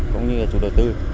cũng như chủ đầu tư